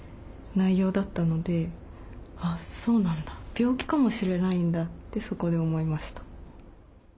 病気かもしれないんだってそこで思いました。